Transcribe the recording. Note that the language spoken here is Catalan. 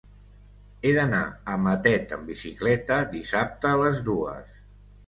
He d'anar a Matet amb bicicleta dissabte a les dues.